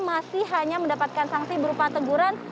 masih hanya mendapatkan sanksi berupa teguran